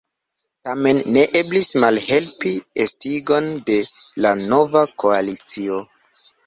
Tamen ne eblis malhelpi estigon de la nova koalicio.